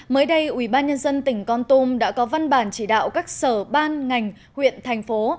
mới đây ubnd tỉnh con tum đã có văn bản chỉ đạo các sở ban ngành huyện thành phố